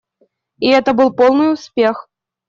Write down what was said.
И это был полный успех.